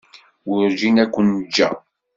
Werǧin ad ken-ǧǧeɣ.